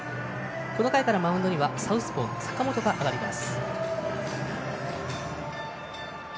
この回からマウンドにはサウスポーの坂本が上がります。